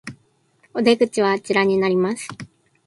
お出口はあちらになります